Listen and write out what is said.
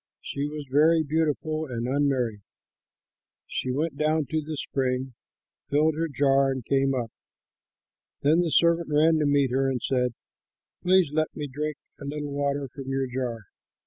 She was very beautiful and unmarried. She went down to the spring, filled her jar, and came up. Then the servant ran to meet her and said, "Please let me drink a little water from your jar."